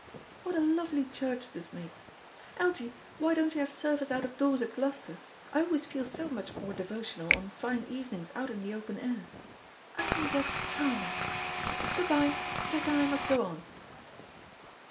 "What a lovely church this makes. Algy, why don't you have service out of doors at Gloucester? I always feel so much more devotional on fine evenings out in the open air. I think that's charming. Good bye. Jack and I must go on."